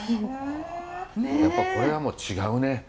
やっぱこれはもう違うね！